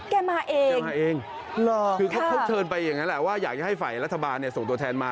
แกมาเองคือเขาเชิญไปอย่างนั้นแหละว่าอยากให้ฝ่ายรัฐบาลส่งตัวแทนมา